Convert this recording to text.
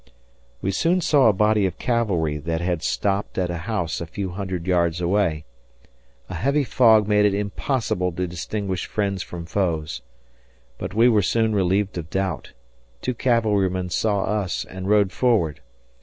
We soon saw a body of cavalry that had stopped at a house a few hundred yards away. A heavy fog made it impossible to distinguish friends from foes. But we were soon relieved of doubt two cavalrymen saw us and rode forward.